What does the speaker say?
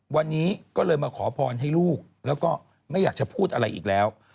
วันนี้ก็เลยมาขอพรให้ลูกแล้วก็ไม่อยากจะพูดอะไรอีกแล้ว